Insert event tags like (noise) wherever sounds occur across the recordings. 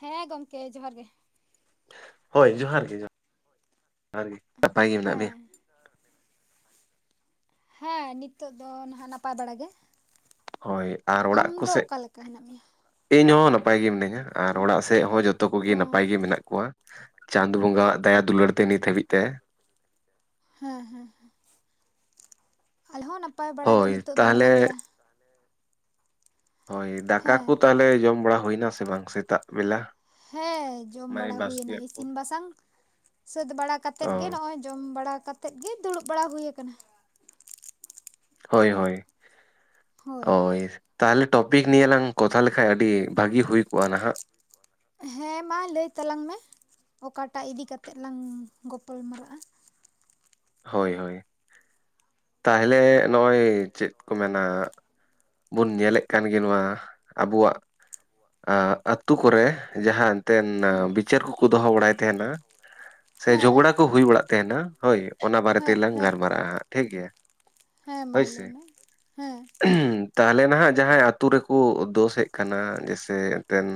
ᱦᱮᱸ ᱜᱚᱢᱠᱮ ᱡᱚᱦᱟᱨ ᱜᱮ᱾ ᱦᱳᱭ ᱡᱚᱦᱟᱨ ᱜᱮ ᱡᱚᱦᱟᱨ ᱡᱚᱦᱟᱨ ᱜᱮ᱾ ᱱᱟᱯᱟᱭ ᱜᱮ ᱢᱮᱱᱟᱜ ᱢᱮᱭᱟ? ᱦᱮᱸ ᱦᱮᱸ ᱱᱤᱛᱚᱜ ᱫᱚ ᱱᱟᱦᱟᱸᱜ ᱱᱟᱯᱟᱭ ᱵᱟᱲᱟ ᱜᱮ᱾ ᱦᱳᱭ ᱟᱨ ᱟᱢ ᱚᱲᱟᱜ ᱫᱚ ᱠᱚᱥᱮᱫ ᱚᱠᱟ ᱞᱮᱠᱟ ᱦᱮᱱᱟᱜ ᱢᱮᱭᱟ ᱤᱧ ᱦᱚᱸ ᱱᱟᱯᱟᱭ ᱜᱮ ᱢᱤᱱᱟᱹᱧ ᱧᱟ ᱟᱨ ᱚᱲᱟᱜ ᱥᱮᱫ ᱦᱚᱸ ᱡᱷᱚᱛᱚ ᱠᱚᱜᱮ ᱚ ᱱᱟᱯᱟᱭ ᱜᱮ ᱢᱮᱱᱟᱜ ᱠᱚᱣᱟ᱾ ᱪᱟᱸᱫᱚ ᱵᱚᱸᱜᱟᱣᱟᱜ ᱫᱟᱭᱟ ᱫᱩᱞᱟᱹᱲ ᱛᱮ ᱱᱤᱛ ᱦᱟᱹᱵᱤᱡ ᱛᱮ᱾ ᱦᱮᱸ ᱦᱮᱸ ᱟᱞᱮᱦᱚᱸ ᱱᱟᱯᱟᱭ ᱵᱟᱲᱟ ᱜᱮ ᱦᱳᱭ ᱱᱤᱛᱚᱜ ᱫᱚ ᱛᱟᱦᱚᱞᱮ ᱢᱮᱱᱟᱜ ᱞᱮᱭᱟ᱾ ᱦᱳᱭ ᱫᱟᱠᱟ ᱦᱮᱸ ᱠᱚ ᱛᱟᱦᱚᱞᱮ ᱡᱚᱢ ᱵᱟᱲᱟ ᱦᱩᱭᱱᱟ ᱥᱮ ᱥᱮ ᱵᱟᱝ ᱥᱮᱛᱟᱜ ᱵᱮᱞᱟ? ᱦᱮᱸ ᱡᱚᱢ ᱢᱟᱭ ᱵᱟᱲᱟ ᱦᱩᱭᱱᱟ ᱵᱟᱥᱠᱮᱭᱟᱜ ᱠᱚ ᱤᱥᱤᱱ ᱵᱟᱥᱟᱝ ᱥᱟᱹᱛ ᱵᱟᱲᱟ ᱠᱟᱛᱮᱜ ᱚ ᱜᱮ ᱱᱚᱸᱜ-ᱚᱭ ᱡᱚᱢ ᱵᱟᱲᱟ ᱠᱟᱛᱮᱫ ᱜᱮ ᱫᱩᱲᱩᱵ ᱵᱟᱲᱟ ᱦᱩᱭ ᱟᱠᱟᱱᱟ᱾ ᱦᱳᱭ ᱦᱳᱭ ᱦᱳᱭ ᱳᱭ ᱛᱟᱦᱚᱞᱮ ᱴᱚᱯᱤᱠ ᱱᱤᱭᱟᱹ ᱞᱟᱝ ᱠᱚᱛᱷᱟ ᱞᱮᱠᱟᱡ ᱟᱹᱰᱤ ᱵᱷᱟᱜᱤ ᱦᱩᱭ ᱠᱚᱜ-ᱟ ᱱᱟᱦᱟᱜ ᱦᱮᱸ ᱢᱟ ᱞᱟᱹᱭ ᱛᱟᱞᱟᱝ ᱢᱮ ᱚᱠᱟᱴᱟᱜ ᱤᱫᱤ ᱠᱟᱛᱮᱫ ᱞᱟᱝ ᱜᱚᱯᱚᱞ ᱢᱟᱨᱟᱜ-ᱟ᱾ ᱦᱳᱭ ᱦᱳᱭ ᱛᱟᱦᱚᱞᱮ ᱱᱚᱜ-ᱚᱭ ᱪᱮᱫ ᱠᱚ ᱢᱮᱱᱟ ᱵᱩᱱ ᱧᱮᱞᱮᱫ ᱠᱟᱱ ᱜᱮ ᱱᱚᱣᱟ ᱟᱵᱩᱣᱟᱜ ᱟᱸ ᱟᱹᱛᱩ ᱠᱚᱨᱮ ᱡᱟᱦᱟᱸ ᱮᱱᱛᱮᱱ ᱵᱤᱪᱟᱹᱨ ᱠᱩᱠᱩ ᱫᱚᱦᱚ ᱵᱟᱲᱟᱭ ᱛᱮᱦᱮᱱᱟ ᱥᱮ ᱦᱮᱸ ᱡᱷᱚᱜᱽᱲᱟ ᱠᱩ ᱦᱩᱭ ᱵᱟᱲᱟᱜ ᱛᱮᱦᱮᱱᱟ ᱦᱳᱭ ᱚᱱᱟ ᱵᱟᱨᱮ ᱦᱮᱸ ᱛᱮᱞᱟᱝ ᱦᱮᱸ ᱜᱟᱞᱢᱟᱨᱟᱜ-ᱟ ᱦᱟᱸᱜ ᱴᱷᱤᱠ ᱜᱮᱭᱟ᱾ ᱦᱮᱸ ᱢᱟ ᱦᱳᱭ ᱥᱮ ᱞᱟᱹᱭ ᱢᱮ ᱦᱮᱸ ᱛᱟᱦᱚᱞᱮ ᱱᱟᱦᱟᱜ ᱡᱟᱦᱟᱸᱭ ᱟᱹᱛᱩ ᱨᱮᱠᱩ ᱫᱳᱥᱮᱫ ᱠᱟᱱᱟ ᱡᱮᱭᱥᱮ ᱮᱱᱛᱮᱱ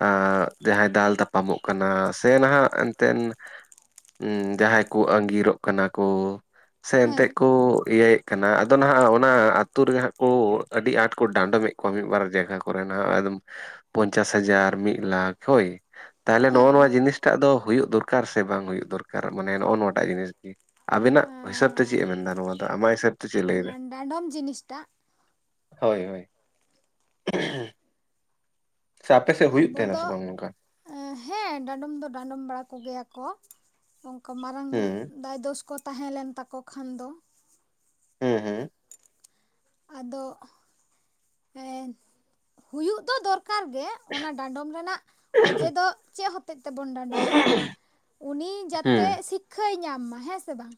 ᱟᱸᱜ, ᱡᱟᱦᱟᱸᱭ ᱫᱟᱞ ᱛᱟᱯᱟᱢᱚᱜ ᱠᱟᱱᱟ ᱥᱮ ᱱᱟᱦᱟᱜ ᱮᱱᱛᱮᱱ ᱩᱸ ᱡᱟᱦᱟᱸᱭ ᱠᱩ ᱟᱺᱜᱤᱨᱚᱜ ᱠᱟᱱᱟ ᱠᱩ᱾ ᱥᱮ ᱦᱮᱸ ᱮᱱᱛᱮᱜ ᱠᱩ ᱤᱭᱟᱹᱭᱮᱜ ᱠᱟᱱᱟ, ᱟᱫᱚ ᱱᱟᱦᱟᱜ ᱚᱱᱟ ᱟᱹᱛᱩ ᱨᱮ ᱦᱟᱸᱜ ᱠᱩ ᱟᱹᱰᱤ ᱟᱸᱴ ᱠᱚ ᱰᱟᱸᱰᱚᱢᱮᱜ ᱠᱚ ᱢᱤᱫ ᱵᱟᱨ ᱡᱟᱭᱜᱟ ᱠᱚᱨᱮᱱᱟᱜ ᱮᱠᱫᱚᱢ ᱯᱚᱧᱪᱟᱥ ᱦᱟᱡᱟᱨ ᱢᱤᱫ ᱞᱟᱠᱷ ᱦᱳᱭ᱾ ᱛᱟᱦᱞᱮ ᱱᱚᱜ-ᱚ ᱦᱮᱸ ᱱᱚᱣᱟ ᱦᱮᱸ ᱡᱤᱱᱤᱥᱴᱟᱜ ᱫᱚ ᱦᱩᱭᱩᱜ ᱫᱚᱨᱠᱟᱨ ᱥᱮ ᱵᱟᱝ ᱦᱩᱭᱩᱜ ᱫᱚᱨᱠᱟᱨ ᱢᱟᱱᱮ ᱱᱚᱜ-ᱚ ᱱᱚᱣᱟᱴᱟᱜ ᱡᱤᱱᱤᱥ ᱜᱤ᱾ ᱟᱵᱮᱱᱟᱜ ᱦᱤᱥᱟᱹᱵᱽ ᱛᱮ ᱪᱮᱫ-ᱮ ᱢᱮᱱᱫᱟ ᱱᱚᱣᱟ ᱫᱚ ᱟᱢᱟᱜ ᱦᱤᱥᱟᱹᱵᱽ? ᱮᱸ ᱰᱟᱸᱰᱚᱢ ᱡᱤᱱᱤᱥᱴᱟᱜ? ᱦᱳᱭ ᱦᱳᱭ᱾ ᱥᱮ ᱟᱯᱮ ᱥᱮᱜ ᱦᱩᱭᱩᱜ ᱛᱟᱦᱮᱱᱟ ᱥᱮ ᱵᱟᱝ ᱱᱚᱝᱠᱟ? ᱟᱻ ᱦᱮᱸ ᱰᱟᱸᱰᱚᱢ ᱫᱚ ᱰᱟᱸᱰᱚᱢ ᱵᱟᱲᱟ ᱠᱚᱜᱮᱭᱟ ᱠᱚ᱾ ᱚᱝᱠᱟ ᱢᱟᱨᱟᱝ ᱧᱚᱜ ᱦᱩᱸ ᱫᱟᱭ ᱫᱳᱥ ᱠᱚ ᱛᱟᱦᱮᱸ ᱞᱮᱱ ᱛᱟᱠᱚ ᱠᱷᱟᱱ ᱫᱚ᱾ ᱦᱩᱸ ᱦᱩᱸ᱾ ᱟᱫᱚ ᱦᱮᱸ ᱦᱩᱭᱩᱜ ᱫᱚ ᱫᱚᱨ ᱠᱟᱨ ᱜᱮ ᱚᱱᱟ ᱰᱟᱸᱰᱚᱢ ᱨᱮᱱᱟᱜ ᱚᱡᱮ ᱫᱚ ᱪᱮᱜ ᱦᱚᱛᱮᱡ ᱛᱮᱵᱚᱱ ᱰᱟᱸᱰᱚᱢᱮᱜ ᱠᱚᱣᱟ? ᱩᱱᱤ ᱡᱟᱛᱮ ᱦᱩᱸ ᱥᱤᱠᱠᱷᱟᱭ ᱧᱟᱢ ᱢᱟ ᱦᱮᱸ ᱥᱮ ᱵᱟᱝ?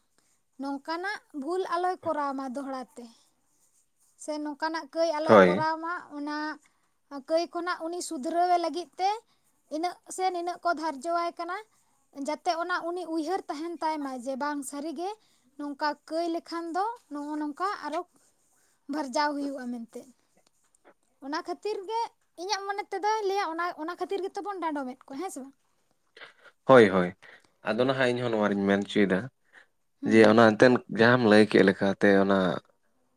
ᱱᱚᱝᱠᱟᱱᱟᱜ ᱵᱷᱩᱞ ᱟᱞᱚᱭ ᱠᱚᱨᱟᱣ ᱢᱟ ᱫᱚᱦᱲᱟ ᱛᱮ᱾ ᱥᱮ ᱱᱚᱝᱠᱟᱱᱟᱜ ᱠᱟᱹᱭ ᱟᱞᱚᱭ ᱦᱳᱭ ᱠᱚᱨᱟᱣ ᱢᱟ ᱚᱱᱟ ᱦᱟ ᱠᱟᱹᱭ ᱠᱷᱚᱱᱟᱜ ᱩᱱᱤ ᱥᱩᱫᱷᱨᱟᱹᱣᱮ ᱞᱟᱹᱜᱤᱫ ᱛᱮ ᱤᱱᱟᱹᱜ ᱥᱮ ᱱᱤᱟᱹᱜ ᱠᱚ ᱫᱷᱟᱨᱡᱚᱣᱟᱭ ᱠᱟᱱᱟ᱾ ᱡᱟᱛᱮ ᱚᱱᱟ ᱩᱱᱤ ᱩᱭᱦᱟᱹᱨ ᱛᱟᱸᱦᱮᱱ ᱛᱟᱭ ᱢᱟ ᱡᱮ ᱵᱟᱝ ᱥᱟᱹᱨᱤᱜᱮ ᱱᱚᱝᱠᱟ ᱠᱟᱹᱭ ᱞᱮᱠᱷᱟᱱ ᱫᱚ ᱱᱚᱜ-ᱚ ᱱᱚᱝᱠᱟ ᱟᱨᱚ ᱵᱷᱟᱨᱡᱟᱣ ᱦᱩᱭᱩᱜ-ᱟ ᱢᱮᱱᱛᱮᱫ᱾ ᱚᱱᱟ ᱠᱷᱟᱹᱛᱤᱨ ᱜᱮ ᱤᱧᱟᱹᱜ ᱢᱚᱱᱮ ᱛᱮᱫᱚᱭ ᱞᱟᱹᱭᱟ ᱚᱱᱟ ᱚᱱᱟ ᱠᱷᱟᱹᱛᱤᱨ ᱜᱮᱛᱚ ᱵᱚᱱ ᱰᱟᱸᱰᱚᱢᱮᱫ ᱠᱚᱣᱟ, ᱦᱮᱸ ᱥᱮ ᱵᱟᱝ? ᱦᱳᱭ ᱦᱳᱭ᱾ ᱟᱫᱚ ᱱᱟᱦᱟᱜ ᱤᱧ ᱦᱚ ᱱᱚᱣᱟᱧ ᱢᱮᱱ ᱚᱪᱚᱭᱮᱫᱟ ᱡᱮ ᱦᱩᱸ ᱚᱱᱟ ᱮᱱᱛᱮᱫ ᱡᱟᱸᱦᱟᱢ ᱞᱟᱹᱭ ᱠᱮᱫ ᱞᱮᱠᱟᱛᱮ ᱚᱱᱟ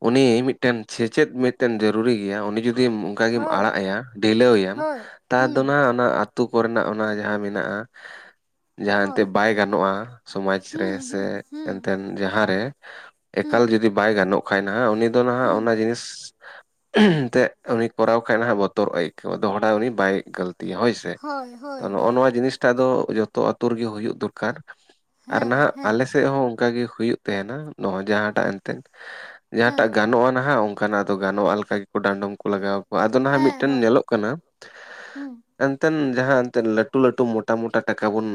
ᱩᱱᱤ ᱢᱤᱫᱴᱮᱱ ᱥᱮᱪᱮᱫ ᱢᱤᱫᱴᱮᱱ ᱡᱟᱹᱨᱩᱨᱤ ᱜᱮᱭᱟ ᱩᱱᱤ ᱡᱩᱫᱤ ᱡᱩᱫᱤᱢ ᱚᱱᱠᱟ ᱜᱮᱢ ᱦᱳᱭ ᱟᱲᱟᱜ-ᱟᱭᱟ ᱰᱷᱤᱞᱟᱹᱣᱤᱭᱟᱢ ᱦᱳᱭ ᱛᱟᱨ ᱫᱚ ᱦᱩᱸ ᱚᱱᱟ ᱚᱱᱟ ᱟᱛᱳ ᱠᱚᱨᱮᱱᱟᱜ ᱚᱱᱟ ᱡᱟᱦᱟᱸ ᱢᱮᱱ ᱢᱮᱱᱟᱜ-ᱟ ᱡᱟᱦᱟᱸ ᱦᱳᱭ ᱮᱱᱛᱮᱜ ᱵᱟᱭ ᱜᱟᱱᱚᱜ-ᱟ ᱥᱚᱢᱟᱡᱽ ᱨᱮ ᱦᱩᱸ ᱥᱮ ᱦᱩᱸ ᱦᱩᱸ ᱮᱱᱛᱮᱱ ᱡᱟᱦᱟᱸ ᱨᱮ ᱮᱠᱟᱞ ᱦᱩᱸ ᱡᱩᱫᱤ ᱵᱟᱭ ᱜᱟᱱᱚᱜ ᱠᱷᱟᱡ ᱱᱟᱦᱟᱜ ᱩᱱᱤ ᱫᱚ ᱱᱟᱦᱟᱜ ᱦᱩᱸ ᱚᱱᱟ ᱡᱤᱱᱤᱥ ᱮᱱᱛᱮᱜ ᱩᱱᱤ ᱠᱚᱨᱟᱣ ᱠᱷᱟᱡ ᱱᱟᱦᱟᱜ ᱵᱚᱛᱚᱨᱚᱜ-ᱟᱭ ᱟᱹᱭᱠᱟᱹᱣ-ᱟ ᱫᱚᱦᱚᱲᱟ ᱩᱱᱤ ᱵᱟᱭ ᱜᱟᱹᱞᱛᱤᱭᱟ ᱦᱳᱭ ᱥᱮ᱾ ᱨᱮ, ᱱᱚᱜ-ᱚ ᱛᱚ, ᱦᱳᱭ ᱱᱚᱜ-ᱱᱚᱣᱟ ᱦᱳᱭ ᱱᱚᱣᱟ ᱡᱤᱱᱤᱥᱴᱟᱜ ᱫᱚ ᱡᱚᱛᱚ ᱟᱛᱳ ᱨᱮᱜᱮ ᱦᱩᱭᱩᱜ ᱫᱚᱨᱠᱟᱨ᱾ ᱟᱨ ᱦᱮᱸ ᱱᱟᱦᱟᱜ ᱦᱮᱸ ᱟᱞᱮ ᱥᱮᱫ ᱦᱚᱸ ᱚᱝᱠᱟᱜᱮ ᱦᱩᱭᱩᱜ ᱛᱟᱦᱮᱱᱟ ᱱᱚᱜ-ᱚᱭ ᱡᱟᱦᱟᱸᱴᱟᱜ ᱮᱱᱛᱮᱫ᱾ ᱡᱟᱦᱟᱸᱴᱟᱜ ᱦᱮᱸ ᱜᱟᱱᱚᱜ-ᱟ ᱱᱟᱦᱟᱜ ᱚᱝᱠᱟᱱᱟᱜ ᱫᱚ ᱜᱟᱱᱚᱜ-ᱟ ᱞᱮᱠᱟ ᱜᱮᱠᱚ ᱰᱟᱸᱰᱚᱢ ᱠᱚ ᱞᱟᱜᱟᱣ ᱠᱚᱣᱟ᱾ ᱟᱫᱚ ᱱᱟᱦᱟᱜ ᱦᱮᱸ ᱢᱤᱫᱴᱮᱱ ᱦᱳᱭ ᱧᱮᱞᱚᱜ ᱠᱟᱱᱟ, ᱦᱩᱸ ᱮᱱᱛᱮᱱ ᱡᱟᱦᱟᱸ ᱮᱱᱛᱮ ᱞᱟᱹ ᱞᱟᱹᱴᱩ ᱞᱟᱹᱴᱩ ᱢᱚᱴᱟ ᱢᱚᱴᱟ ᱴᱟᱠᱟ ᱵᱚᱱ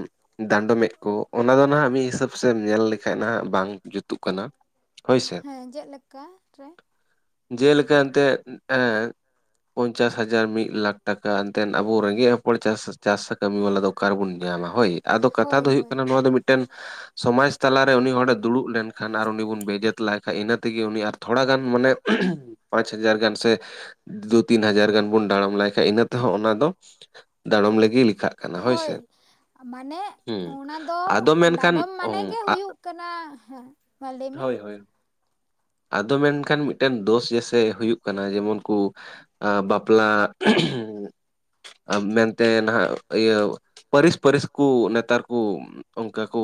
ᱰᱟᱸᱰᱚᱢᱮᱫ ᱠᱚ ᱚᱱᱟ ᱫᱚ ᱱᱟᱦᱟᱜ ᱢᱤᱫ ᱦᱤᱥᱟᱹᱵᱽ ᱥᱮᱢ ᱧᱮᱞ ᱞᱮᱠᱷᱟᱡ ᱱᱟᱦᱟᱜ ᱵᱟᱝ ᱡᱩᱛᱩᱜ ᱠᱟᱱᱟ᱾ ᱦᱳᱭ ᱥᱮ᱾ ᱦᱮᱸ ᱪᱮᱫ ᱞᱮᱠᱟ ᱨᱮ? ᱡᱮᱞᱮᱠᱟ ᱮᱱᱛᱮᱫ ᱮᱸᱻ ᱯᱚᱧᱪᱟᱥ ᱦᱟᱡᱟᱨ, ᱢᱤᱫ ᱞᱟᱠᱷ ᱴᱟᱠᱟ ᱮᱱᱛᱮᱫ ᱟᱵᱚ ᱨᱮᱸᱜᱮᱡ ᱦᱚᱯᱚᱱ ᱪᱟᱥ ᱪᱟᱥ ᱠᱟᱹᱢᱤ ᱵᱟᱞᱟ ᱫᱚ ᱚᱠᱟᱨᱮᱵᱚᱱ ᱧᱟᱢᱟ ᱦᱳᱭ, ᱟᱫᱚ ᱠᱟᱛᱷᱟ ᱦᱳᱭ ᱫᱚ ᱦᱩᱭᱩᱜ ᱦᱳᱭ ᱠᱟᱱᱟ ᱦᱳᱭ ᱱᱚᱣᱟ ᱫᱚ ᱢᱤᱫᱴᱮᱱ ᱥᱚᱢᱟᱡᱽ ᱛᱟᱞᱟ ᱨᱮ ᱩᱱᱤ ᱦᱚᱲᱮ ᱫᱩᱲᱩᱵ ᱞᱮᱱᱠᱷᱟᱱ ᱟᱨ ᱩᱱᱤ ᱵᱚᱱ ᱵᱮᱡᱮᱫ ᱮᱠᱞᱟᱭ ᱠᱷᱟᱡ ᱤᱱᱟᱹ ᱛᱮᱜᱮ ᱩᱱᱤ ᱛᱷᱚᱲᱟ ᱜᱟᱱ ᱢᱟᱱᱮ ᱯᱟᱸᱪ ᱦᱟᱡᱟᱨ ᱜᱟᱱ ᱥᱮ ᱫᱩ ᱛᱤᱱ ᱦᱟᱡᱟᱨ ᱜᱟᱱ ᱵᱚᱱ ᱰᱟᱲᱚᱢ ᱞᱟᱭᱠᱷᱟᱡ ᱤᱱᱟᱹ ᱛᱮᱦᱚᱸ ᱚᱱᱟ ᱫᱚ ᱰᱟᱲᱚᱢ ᱨᱮᱜᱮ ᱞᱮᱠᱷᱟᱜ᱾ ᱠᱟᱱᱟ ᱦᱳᱭ, ᱥᱮ ᱢᱟᱱᱮ ᱦᱩᱸ ᱚᱱᱟ ᱫᱚ ᱟᱫᱚ ᱢᱮᱱᱠᱷᱟᱱ ᱰᱟᱸᱰᱚᱢ ᱢᱟᱱᱮ ᱜᱮ ᱦᱩᱭᱩᱜ ᱠᱟᱱᱟ ᱦᱮᱸ᱾ ᱢᱟ ᱞᱟᱹᱭ ᱢᱮ ᱦᱳᱭ ᱦᱳᱭ ᱾ ᱟᱫᱚ ᱢᱮᱱᱠᱷᱟᱱ ᱢᱤᱫᱴᱮᱱ ᱫᱳᱥ ᱜᱮᱥᱮ ᱦᱩᱭᱩᱜ ᱠᱟᱱᱟ ᱡᱮᱢᱚᱱ ᱠᱚ ᱟᱸ ᱵᱟᱯᱞᱟ (inaudible) ᱢᱮᱱᱛᱮ ᱱᱟᱦᱟᱜ ᱤᱭᱟᱹ ᱯᱟᱹᱨᱤᱥ ᱯᱟᱹᱨᱤᱥ ᱠᱩ ᱱᱮᱛᱟᱨ ᱠᱩ ᱚᱱᱠᱟ ᱠᱩ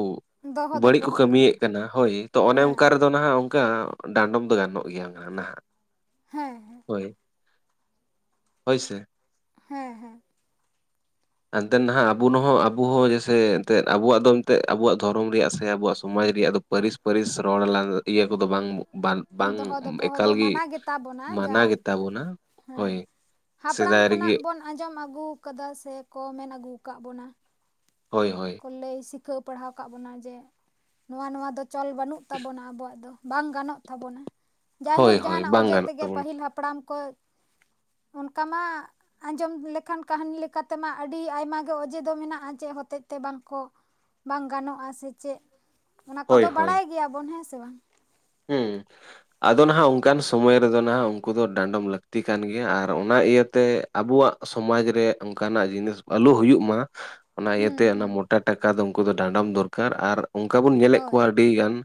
ᱫᱚᱦᱚ ᱵᱟᱹᱲᱤᱡ ᱠᱚ ᱫᱚᱯᱚᱦᱚᱜ ᱠᱟᱹᱢᱤᱭᱮᱫ ᱠᱟᱱᱟ ᱦᱳᱭ ᱛᱚ ᱚᱱᱮ ᱦᱮᱸ ᱚᱱᱠᱟᱨ ᱟᱫᱚ ᱱᱟᱦᱟᱜ ᱚᱱᱠᱟ ᱰᱟᱸᱰᱚᱢ ᱫᱚ ᱜᱟᱱᱚᱜ ᱜᱮᱭᱟ ᱱᱟᱦᱟᱜ ᱾ ᱦᱮᱸ ᱦᱮᱸ ᱾ ᱦᱳᱭ ᱾ (inaudible) ᱦᱳᱭ ᱥᱮ ᱾ ᱦᱮᱸ ᱦᱮᱸ ᱾ ᱮᱱᱛᱮᱱ ᱱᱟᱦᱟᱜ ᱟᱵᱚᱱ ᱦᱚᱸ ᱟᱵᱚ ᱦᱚᱸ ᱡᱮᱭᱥᱮ ᱮᱱᱛᱮᱫ ᱫᱚ ᱟᱵᱚᱣᱟᱜ ᱫᱚ ᱮᱱᱛᱮᱫ ᱟᱵᱚᱣᱟᱜ ᱫᱷᱚᱨᱚᱢ ᱨᱮᱭᱟᱜ ᱥᱮ ᱟᱵᱚᱣᱟᱜ ᱥᱚᱢᱟᱡᱽ ᱨᱮᱭᱟᱜ ᱫᱚ ᱯᱟᱹᱨᱤᱥ ᱯᱟᱹᱨᱤᱥ ᱨᱚᱲ ᱞᱟᱸᱫᱟ ᱤᱭᱟᱹ ᱠᱚᱫᱚ ᱵᱟᱝ ᱵᱟᱝ ᱫᱚᱦᱚ ᱫᱚᱯᱚᱦᱚ ᱮᱠᱟᱞ ᱫᱚ ᱜᱤ ᱢᱟᱱᱟ ᱜᱮᱛᱟᱵᱚᱱᱟ ᱡᱟ ᱢᱟᱱᱟ ᱜᱮ ᱛᱟᱵᱚᱱᱟ ᱦᱮᱸ ᱦᱳᱭ ᱾ (inaudible) ᱦᱟᱯᱲᱟᱢ ᱥᱮᱫᱟᱭ ᱠᱷᱚᱱᱟᱜ ᱨᱮᱜᱮ ᱵᱚᱱ ᱟᱸᱡᱚᱢ ᱟᱹᱜᱩ ᱟᱠᱟᱫᱟ ᱥᱮ ᱠᱚ ᱢᱮᱱ ᱟᱹᱜᱩ ᱟᱠᱟᱫ ᱵᱚᱱᱟ ᱾ ᱦᱳᱭ ᱦᱳᱭ ᱾ ᱞᱟᱹᱭ ᱥᱤᱠᱷᱟᱹᱣ ᱯᱟᱲᱦᱟᱣ ᱟᱠᱟᱫ ᱵᱚᱱᱟ ᱡᱮ (inaudible) ᱱᱚᱣᱟ ᱱᱚᱣᱟ ᱫᱚ ᱪᱚᱞ ᱵᱟᱹᱱᱩᱜ ᱛᱟᱵᱚᱱᱟ ᱟᱵᱚᱣᱟᱜ ᱫᱚ ᱾ ᱵᱟᱝ ᱜᱟᱱᱚᱜ ᱛᱟᱵᱚᱱᱟ ᱾ (inaudible) ᱦᱳᱭ ᱡᱟᱭᱦᱳᱠ ᱦᱳᱭ ᱡᱟᱦᱟᱱᱟᱜ ᱵᱟᱝ ᱚᱸᱡᱮ ᱜᱟᱱᱚᱜ ᱛᱮᱜᱮ ᱛᱟᱵᱚᱱᱟ ᱯᱟᱹᱦᱤᱞ ᱦᱟᱯᱲᱟᱢ ᱠᱚ (inaudible) ᱚᱱᱠᱟ ᱢᱟ ᱟᱸᱡᱚᱢ ᱞᱮᱠᱷᱟᱱ ᱠᱟᱹᱦᱱᱤ ᱞᱮᱠᱟᱛᱮ ᱢᱟ ᱟᱹᱰᱤ ᱟᱭᱢᱟ ᱜᱮ ᱚᱸᱡᱮ ᱫᱚ ᱢᱮᱱᱟᱜ-ᱟ ᱪᱮᱫ ᱦᱚᱛᱮᱫ ᱛᱮ ᱵᱟᱝᱠᱚ (inaudible) ᱵᱟᱝ ᱜᱟᱱᱚᱜ-ᱟ ᱥᱮ ᱪᱮᱫ (inaudible) ᱚᱱᱟ ᱦᱳᱭ ᱠᱚᱫᱚ ᱦᱳᱭ ᱵᱟᱲᱟᱭ ᱜᱮᱭᱟᱵᱚᱱ ᱦᱮᱸ ᱥᱮ ᱵᱟᱝ ᱾ ᱦᱩᱸ ᱾ ᱟᱫᱚ ᱱᱟᱦᱟᱜ ᱚᱱᱠᱟᱱ ᱥᱚᱢᱚᱭ ᱨᱮᱫᱚ ᱱᱟᱦᱟᱜ ᱩᱱᱠᱩ ᱫᱚ ᱰᱟᱸᱰᱚᱢ ᱞᱟᱹᱠᱛᱤ ᱠᱟᱱ ᱜᱮᱭᱟ ᱾ ᱟᱨ ᱚᱱᱟ ᱤᱭᱟᱹ ᱛᱮ ᱟᱵᱩᱣᱟᱜ ᱥᱚᱢᱟᱡ ᱨᱮ ᱚᱱᱠᱟᱱᱟᱜ ᱡᱤᱱᱤᱥ ᱟᱞᱚ ᱦᱩᱭᱩᱜ ᱢᱟ ᱚᱱᱟ ᱦᱩᱸ ᱤᱭᱟᱹᱛᱮ ᱚᱱᱟ ᱦᱩᱸ ᱢᱚᱴᱟ ᱴᱟᱠᱟ ᱫᱚ ᱩᱱᱠᱩ ᱫᱚ ᱰᱟᱸᱰᱚᱢ ᱫᱚᱨᱠᱟᱨ ᱾ ᱟᱨ ᱚᱱᱠᱟ ᱵᱚᱱ ᱧᱮᱞᱮᱫ ᱦᱳᱭ ᱠᱚᱣᱟ ᱟᱹᱰᱤᱜᱟᱱ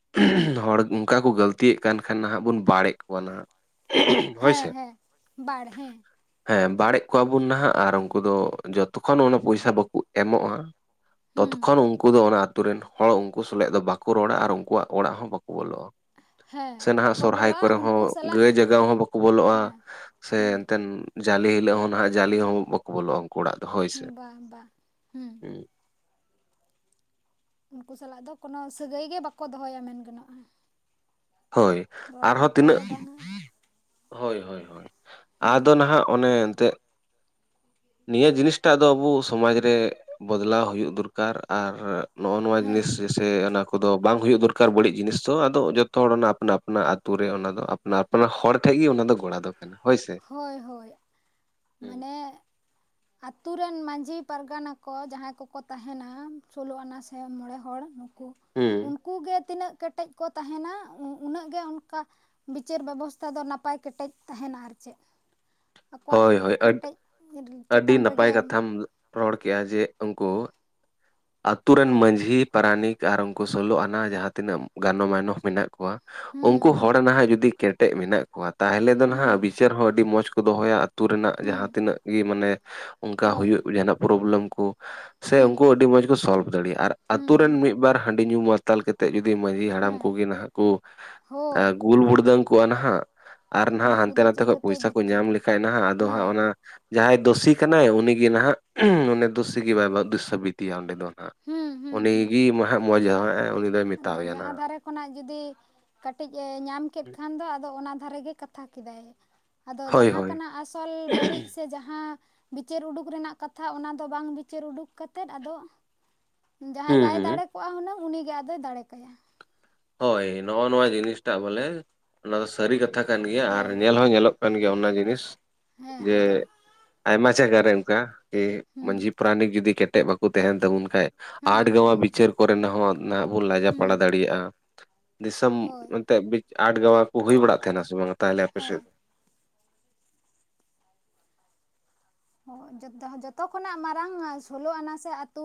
(inaudible) ᱦᱚᱲ ᱚᱱᱠᱟ ᱠᱚ ᱜᱟᱹᱞᱛᱤᱭᱮᱫ ᱠᱟᱱ ᱠᱷᱟᱱ ᱱᱟᱦᱟᱜ ᱵᱚᱱ ᱵᱟᱲ ᱮᱫ ᱠᱚᱣᱟ ᱱᱟᱦᱟᱜ ᱾ ᱦᱮᱸ ᱦᱮᱸ, (inaudible) ᱵᱟᱲ ᱦᱮᱸ ᱾ ᱦᱮᱸ ᱵᱟᱲᱮᱜ ᱠᱚᱣᱟ ᱵᱚᱱ ᱱᱟᱦᱟᱜ ᱟᱨ ᱩᱱᱠᱩ ᱫᱚ ᱡᱚᱛᱚᱠᱷᱚᱱ ᱚᱱᱟ ᱯᱚᱭᱥᱟ ᱵᱟᱠᱚ ᱮᱢᱚᱜ-ᱟ ᱦᱩᱸ ᱛᱚᱛᱚᱠᱷᱚᱱ ᱩᱱᱠᱩ ᱫᱚ ᱚᱱᱟ ᱟᱛᱳ ᱨᱮᱱ ᱦᱚᱲ ᱩᱱᱠᱩ ᱥᱟᱞᱟᱜ ᱫᱚ ᱵᱟᱠᱚ ᱨᱚᱲᱟ ᱟᱨ ᱩᱱᱠᱩᱣᱟᱜ ᱚᱲᱟᱜ ᱦᱚᱸ ᱵᱟᱠ ᱚ ᱵᱚᱞᱚᱜ-ᱟ ᱦᱮᱸ ᱾ (inaudible) ᱥᱮ ᱱᱟᱦᱟᱜ ᱵᱟᱠᱚ ᱥᱚᱨᱦᱟᱭ ᱵᱚᱞᱚᱜᱼᱟ ᱠᱚᱨᱮ ᱦᱚᱸ ᱩᱱᱠᱩ ᱥᱟᱞᱟᱜ ᱜᱟᱹᱭ ᱡᱟᱜᱟᱣ ᱦᱚᱸ ᱵᱟᱠᱚ ᱵᱚᱞᱚᱜ-ᱟ ᱦᱮᱸ ᱥᱮ ᱮᱱᱛᱮᱱ ᱦᱮᱸ ᱡᱟᱞᱮ ᱦᱤᱞᱳᱜ ᱦᱚᱸ ᱱᱟᱦᱟᱜ ᱡᱟᱞᱮ ᱦᱚᱸ ᱵᱟᱠᱚ ᱵᱚᱞᱚᱜ-ᱟ ᱩᱱᱠᱩ ᱚᱲᱟᱜ ᱫᱚ ᱦᱳᱭ ᱥᱮ ᱵᱟ ᱵᱟ ᱾ (inaudible) ᱦᱩᱸ ᱾ ᱩᱱᱠᱩ ᱥᱟᱞᱟᱜ ᱫᱚ ᱠᱳᱱᱳ ᱥᱟᱹᱜᱟᱹᱭ ᱜᱮ ᱵᱟᱠᱚ ᱫᱚᱦᱚᱭᱟ ᱢᱮᱱ ᱜᱟᱱᱚᱜ-ᱟ ᱾ ᱦᱳᱭ ᱟᱨᱦᱚᱸ ᱛᱤᱱᱟᱹᱜ ᱦᱚᱸ ᱵᱟᱝᱟ (inaudible) ᱦᱳᱭ ᱦᱳᱭ ᱦᱳᱭ ᱾ ᱦᱮᱸ ᱟᱫᱚ ᱱᱟᱦᱟᱜ ᱚᱱᱮ ᱮᱱᱛᱮᱜ (inaudible) ᱱᱤᱭᱟᱹ ᱡᱤᱱᱤᱥᱴᱟᱜ ᱫᱚ ᱟᱵᱚ ᱥᱚᱢᱟᱡᱽ ᱨᱮ ᱵᱚᱫᱞᱟᱣ ᱦᱩᱭᱩᱜ ᱫᱚᱨᱠᱟᱨ ᱾ ᱟᱨ ᱱᱚᱜ-ᱚ ᱱᱚᱣᱟ ᱦᱮᱸ ᱡᱤᱱᱤᱥ ᱥᱮ ᱚᱱᱟ ᱠᱚᱫᱚ ᱵᱟᱝ ᱦᱩᱭᱩᱜ ᱫᱚᱨᱠᱟᱨ ᱵᱟᱹᱲᱤᱡ ᱡᱤᱱᱤᱥ ᱫᱚ ᱟᱫᱚ ᱡᱚ ᱛᱚ ᱦᱚᱲ ᱚᱱᱟ ᱟᱯᱱᱟ ᱟᱯᱱᱟ ᱟᱛᱳ ᱨᱮ ᱚᱱᱟ ᱫᱚ ᱟᱯᱱᱟ ᱟᱯᱱᱟ ᱦᱚᱲ ᱴᱷᱮᱱ ᱜᱮ ᱚᱱᱟ ᱫᱚ ᱜᱚᱲᱟ ᱫᱚ ᱠᱟᱱᱟ ᱦᱳᱭ ᱥᱮ ᱾ ᱦᱳᱭ ᱦᱳᱭ ᱾ ᱢᱟᱱᱮᱻ ᱟᱹᱛᱩ ᱨᱮᱱ ᱢᱟᱺᱡᱷᱤ ᱯᱟᱨᱜᱟᱱᱟ ᱠᱚ ᱡᱟᱦᱟᱸᱭ ᱠᱚᱠᱚ ᱛᱟᱦᱮᱱᱟ ᱥᱳᱞᱳ ᱟᱱᱟ ᱥᱮ ᱢᱚᱬᱮ ᱦᱚᱲ ᱠᱤ ᱾ (inaudible) ᱦᱩᱸ ᱩᱱᱠᱩ ᱜᱮ ᱛᱤᱱᱟᱹᱜ ᱠᱮᱴᱮᱡ ᱠᱚ ᱛᱟᱦᱮᱱᱟ ᱩᱱᱟᱹᱜ ᱜᱮ ᱚᱱᱠᱟ ᱵᱤᱪᱟᱹᱨ ᱵᱮᱵᱚᱥᱛᱷᱟ ᱫᱚ ᱱᱟᱯᱟᱭ ᱠᱮᱴᱮᱡ ᱛᱟᱦᱮᱱᱟ ᱟᱨ ᱪᱮᱫ ᱾ ᱦᱳᱭ ᱦᱳᱭ ᱟᱹᱰ (inaudible) ᱟᱹᱰᱤ ᱪᱮᱛᱟᱱ ᱱᱟᱯᱟᱭ ᱨᱮᱜᱮ ᱠᱟᱛᱷᱟᱢ ᱨᱚᱲ ᱠᱮᱜ-ᱟ ᱡᱮ ᱩᱱᱠᱩ ᱟᱹᱛᱩ ᱨᱮᱱ ᱦᱳᱭ ᱢᱟᱺᱡᱷᱤ ᱯᱟᱨᱟᱱᱤᱠ ᱟᱨ ᱩᱱᱠᱩ ᱥᱳᱞᱳ ᱟᱱᱟ ᱡᱟᱦᱟᱸ ᱛᱤᱱᱟᱹᱜ ᱜᱟᱱᱚ ᱢᱟᱭᱱᱚ ᱢᱮᱱᱟᱜ ᱠᱚᱣᱟ ᱦᱩᱸ ᱩᱱᱠᱩ ᱦᱩᱸ ᱦᱚᱲ ᱱᱟᱦᱟᱜ ᱡᱩᱫᱤ ᱠᱮᱴᱮᱡ ᱢᱮᱱᱟᱜ ᱠᱚᱣᱟ ᱛᱟᱦᱚᱞᱮ ᱫᱚ ᱦᱩᱸ ᱱᱟᱦᱟᱜ ᱵᱤᱪᱟᱹᱨ ᱦᱚᱸ ᱟᱹᱰᱤ ᱢᱚᱸᱡᱽ ᱠᱚ ᱫᱚᱦᱚᱭᱟ ᱾ ᱟᱛᱳ ᱨᱮᱱᱟᱜ ᱦᱩᱸ ᱡᱟᱦᱟᱸ ᱛᱤᱱᱟᱹᱜ ᱜᱮ ᱢᱟᱱᱮ ᱚᱱᱠᱟ ᱦᱳᱭ ᱦᱩᱭᱩᱜ ᱡᱟᱦᱟᱱᱟᱜ ᱯᱨᱚᱵᱞᱮᱢ ᱠᱚ ᱥᱮ ᱦᱩᱸ ᱩᱱᱠᱩ ᱟᱹᱰᱤ ᱢᱚᱸᱡᱽ ᱠᱚ ᱥᱚᱞᱵᱷ ᱫᱟᱲᱮᱭᱟᱜ-ᱟ ᱟᱨ ᱦᱩᱸ ᱟᱛᱳ ᱨᱮᱱ ᱩᱱᱠᱩ ᱢᱤᱫ ᱵᱟᱨ ᱦᱟᱺᱰᱤ ᱧᱩ ᱢᱟᱼᱼ ᱛᱟᱞ ᱠᱟᱛᱮᱫ ᱡᱩᱫᱤ ᱢᱟᱺᱡᱷᱤ ᱦᱟᱲᱟᱢ ᱦᱮᱸ ᱠᱚᱜᱮ ᱱᱟᱦᱟᱜ ᱠᱚ ᱦᱳᱭ (unintelligible) ᱟᱨ ᱱᱟᱦᱟᱜ ᱩᱱᱠᱩ ᱦᱟᱱᱛᱮ ᱫᱚ ᱱᱟᱛᱮ ᱠᱷᱚᱡ ᱪᱤᱠᱟᱹᱛᱮ ᱯᱚᱭᱥᱟ ᱠᱚ ᱧᱟᱢ ᱵᱤᱪᱟᱹᱨᱟᱭ ᱞᱮᱠᱷᱟᱡ ᱱᱟᱦᱟᱜ ᱟᱫᱚ ᱦᱟᱸᱜ ᱦᱳᱭ ᱚᱱᱟᱼᱼ ᱡᱟᱦᱟᱸᱭ ᱫᱳᱥᱤ ᱠᱟᱱᱟᱭ ᱩᱱᱤ ᱜᱮ ᱱᱟᱦᱟᱜ ᱩᱱᱤ (unintelligible) ᱫᱩᱥᱤ ᱜᱮ ᱵᱟᱭ ᱫᱩᱥᱤ ᱥᱟᱹᱵᱤᱛᱮᱭᱟ ᱚᱸᱰᱮ ᱫᱚ ᱱᱟᱜ ᱦᱩᱸ ᱦᱩᱸ ᱩᱱᱤ ᱦᱩᱸ ᱜᱤ (unintelligible) ᱟᱫᱚ ᱡᱟᱦᱟᱸ ᱫᱷᱟᱨᱮ ᱠᱷᱚᱱᱟᱜ ᱡᱚᱫᱤ ᱠᱟᱹᱴᱤᱡ ᱮ ᱧᱟᱢ ᱠᱮᱫ ᱱᱟᱦᱟᱜ ᱠᱷᱟᱱ ᱫᱚ ᱟᱫᱚ ᱚᱱᱟ ᱫᱷᱟᱨᱮ ᱜᱮᱼᱼ ᱠᱟᱛᱷᱟ ᱠᱮᱫᱟᱭ ᱟᱫᱚ ᱦᱳᱭ ᱡᱟᱦᱟᱸ ᱦᱳᱭ ᱠᱟᱱᱟ ᱟᱥᱚᱞ ᱵᱟᱹᱲᱤᱡᱼᱼ ᱥᱮ ᱡᱟᱦᱟᱸ ᱵᱤᱪᱟᱹᱨ ᱩᱰᱩᱠ ᱨᱮᱱᱟᱜ ᱠᱟᱛᱷᱟ ᱚᱱᱟ ᱫᱚ ᱵᱟᱝ ᱵᱤᱪᱟᱹᱨ ᱩᱰᱩᱠ ᱠᱟᱛᱮᱫ ᱟᱫᱚᱼᱼ ᱡᱟᱦᱟᱸᱭ ᱦᱩᱸ ᱵᱟᱭ ᱦᱩᱸ ᱫᱟᱲᱮ ᱠᱚᱜ-ᱟ ᱦᱩᱱᱟᱹᱝ ᱩᱱᱤ ᱜᱮ ᱟᱫᱚᱭ ᱫᱟᱲᱮ ᱠᱟᱭᱟ ᱦᱳᱭ ᱱᱚᱜ-ᱚ ᱱᱚᱣᱟ ᱡᱤᱱᱤᱥᱴᱟᱜ ᱵᱚᱞᱮ ᱚᱱᱟ ᱫᱚ ᱥᱟᱹᱨᱤ ᱠᱟᱛᱷᱟ ᱠᱟᱱ ᱜᱮᱭᱟ ᱟᱨ ᱦᱳᱭ ᱧᱮᱞ ᱦᱚᱸ ᱧᱮᱞᱚᱜᱼᱼ ᱠᱟᱱ ᱜᱮᱭᱟ ᱚᱱᱟ ᱡᱤᱱᱤᱥ ᱦᱮᱸ ᱡᱮ ᱟᱫᱚ ᱟᱭᱢᱟ ᱡᱟᱭᱜᱟ ᱨᱮ ᱚᱱᱠᱟ ᱠᱤ ᱦᱩᱸ ᱢᱟᱡᱷᱤ ᱯᱟᱨᱟᱱᱤᱠ ᱡᱩᱫᱤ ᱠᱮᱴᱮᱡ ᱵᱟᱼᱼ ᱵᱟᱠᱚ ᱛᱟᱦᱮᱱ ᱛᱟᱵᱚᱱ ᱠᱷᱟᱡ ᱦᱩᱸ ᱟᱴ ᱜᱟᱢᱟ ᱦᱩᱸ ᱵᱤᱪᱟᱹᱨ ᱠᱚ ᱨᱮᱱᱟᱜ ᱦᱚᱸ ᱱᱟᱜ ᱵᱚᱱ ᱞᱟᱡᱟᱯᱟᱲᱟ ᱦᱩᱸ ᱫᱟᱲᱮᱭᱟᱜ-ᱟ᱾ ᱫᱤᱥᱚᱢ ᱦᱳᱭ ᱮᱱᱛᱮᱫ ᱵᱤ ᱟᱴ ᱜᱟᱣᱟ ᱠᱚ ᱦᱩᱭ ᱵᱟᱲᱟᱜ ᱛᱟᱦᱮᱱᱟ ᱥᱮ ᱵᱟᱝ ᱛᱟᱦᱚᱞᱮ ᱟᱯᱮ ᱦᱮᱸ ᱥᱮᱫ ᱚ ᱡᱚᱛᱚ ᱡᱚᱛᱚ ᱠᱷᱚᱱᱟᱜ ᱢᱟᱨᱟᱝ ᱥᱳᱞᱳ ᱟᱱᱟ ᱥᱮ ᱟᱹᱛᱩᱼᱼ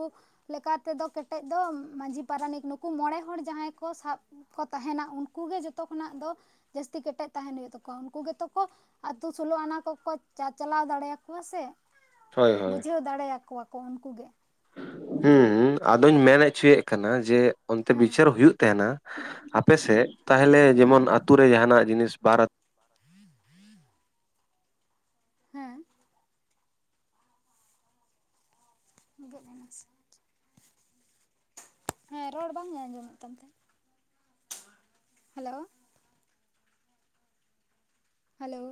ᱞᱮᱠᱟ ᱛᱮᱫᱚ ᱠᱮᱴᱮᱡ ᱫᱚ ᱢᱟᱹᱡᱷᱤ ᱯᱟᱨᱟᱱᱤᱠ ᱱᱩᱠᱩ ᱢᱚᱬᱮ ᱦᱚᱲ ᱡᱟᱦᱟᱸᱭ ᱠᱚ ᱥᱟᱵᱼᱼ ᱠᱚ ᱛᱟᱦᱮᱱᱟ ᱩᱱᱠᱩ ᱜᱮ ᱡᱚᱛᱚ ᱠᱷᱚᱱᱟᱜ ᱫᱚᱼᱼ ᱡᱟᱹᱥᱛᱤ ᱠᱮᱴᱮᱡ ᱛᱟᱦᱮᱱ ᱦᱩᱭᱩᱜ ᱛᱟᱠᱚᱣᱟ ᱩᱱᱠᱩ ᱜᱮᱛᱚ ᱠᱚ ᱟᱛᱳ ᱥᱳᱞᱳ ᱟᱱᱟ ᱠᱚᱠᱚ ᱪᱟᱪᱟᱞᱟᱣ ᱫᱟᱲᱮᱭᱟ ᱠᱚᱣᱟ ᱥᱮ ᱦᱳᱭ ᱵᱩᱡᱷᱟᱹᱣ ᱫᱟᱲᱮ ᱟᱠᱚᱣᱟ ᱠᱚ ᱩᱱᱠᱩ ᱜᱮ ᱦᱮᱸ ᱟᱫᱚᱧ ᱢᱮᱱ ᱦᱚᱪᱚᱭ ᱮᱫ ᱠᱟᱱᱟ ᱡᱮ ᱚᱱᱛᱮ ᱦᱮᱸ ᱵᱤᱪᱟᱹᱨ ᱦᱩᱭᱩᱜ ᱛᱟᱦᱮᱱᱟ ᱟᱯᱮ ᱥᱮᱫ ᱛᱟᱦᱚᱞᱮ ᱡᱮᱢᱚᱱ ᱦᱮᱸ ᱟᱛᱳ ᱨᱮ ᱡᱟᱦᱟᱱᱟᱜ ᱡᱤᱱᱤᱥ ᱵᱟᱨᱼᱼ (inaudible) ᱦᱮᱸ ᱜᱮᱫ ᱮᱱᱟ ᱥᱮ ᱦᱮᱸ ᱨᱚᱲ ᱵᱟᱝ ᱟᱸᱡᱚᱢ ᱮᱜ ᱛᱟᱢᱟ ᱦᱮᱞᱳ ᱦᱮᱞᱳ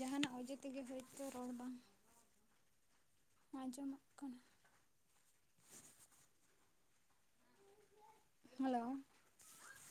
ᱡᱟᱦᱟᱱᱟᱜ ᱚᱡᱮ ᱛᱮᱜᱮ ᱦᱳᱭᱛᱚ ᱨᱚᱲ ᱵᱟᱝᱼᱼ ᱟᱸᱡᱚᱢᱚᱜ ᱠᱟᱱᱟ ᱦᱮᱞᱳ